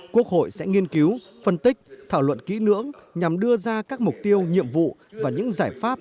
quốc hội sẽ nghiên cứu phân tích thảo luận kỹ lưỡng nhằm đưa ra các mục tiêu nhiệm vụ và những giải pháp